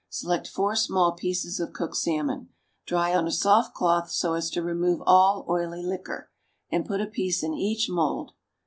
Select four small pieces of cooked salmon, dry on a soft cloth so as to remove all oily liquor, and put a piece in each mould.